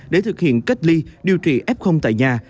để thực hiện cách ly điều trị f tại nhà